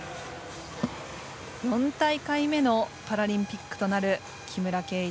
４大会目のパラリンピックとなる木村敬一。